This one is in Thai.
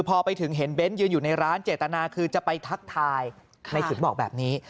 พอไปถึงเห็นเบ้นยืนอยู่ในร้านเจตนาคือจะไปทักทายในสินบอกแบบนี้